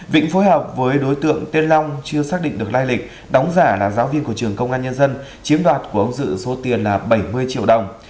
vĩnh phối hợp với đối tượng tên long chưa xác định được lai lịch đóng giả là giáo viên của trường công an nhân dân chiếm đoạt của ông dự số tiền là bảy mươi triệu đồng